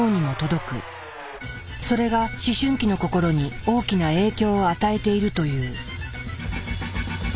それが思春期の心に大きな影響を与えているという。